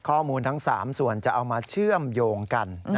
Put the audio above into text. ข้อมูลทั้ง๓ส่วนจะเอามาเชื่อมโยงกัน